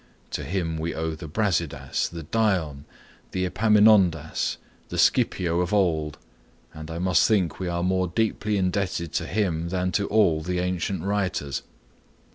To him we owe the Brasidas, the Dion, the Epaminondas, the Scipio of old, and I must think we are more deeply indebted to him than to all the ancient writers.